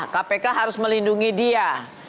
kpk harus melindungi dia